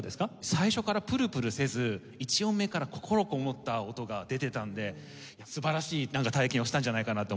最初からプルプルせず１音目から心こもった音が出てたんで素晴らしい体験をしたんじゃないかなって思います。